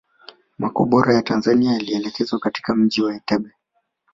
Makombora ya Tanzania yalielekezwa katika mji wa Entebbe